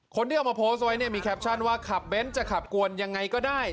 คนที่เอามาโพสต์ไว้เนี่ยมีแคปชั่นว่าขับเบ้นจะขับกวนยังไงก็ได้